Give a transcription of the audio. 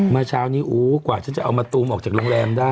เมื่อเช้านี้กว่าฉันจะเอามะตูมออกจากโรงแรมได้